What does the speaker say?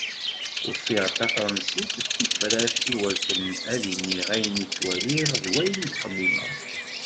Ufiɣ-d tafransist d tifrat i wakken ad d-iniɣ ayen i ttwaliɣ d wayen i txemmimeɣ.